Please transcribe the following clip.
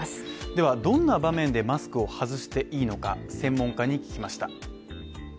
ではどんな場面でマスクを外していいのか専門家に聞きました。